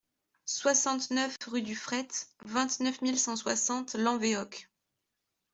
soixante-neuf rue du Fret, vingt-neuf mille cent soixante Lanvéoc